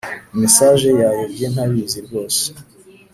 mesaje yayobye ntabizi rwose